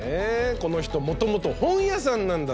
この人もともと本屋さんなんだって。